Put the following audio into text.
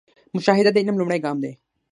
مشاهده د علم لومړی ګام دی